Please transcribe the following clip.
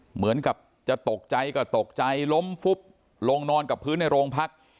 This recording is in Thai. เหมือนกับจะตกใจก็ตกใจล้มฟุบลงนอนกับพื้นในโรงพัก